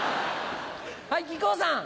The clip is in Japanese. はい木久扇さん。